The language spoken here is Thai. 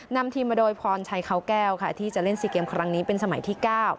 นำทีมมาโดยพรชัยเขาแก้วค่ะที่จะเล่น๔เกมครั้งนี้เป็นสมัยที่๙